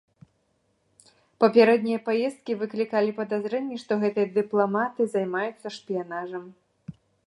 Папярэднія паездкі выклікалі падазрэнні, што гэтыя дыпламаты займаюцца шпіянажам.